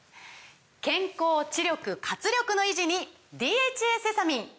健康・知力・活力の維持に「ＤＨＡセサミン」！